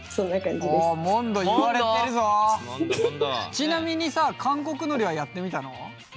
ちなみにさ韓国のりはやってみたの？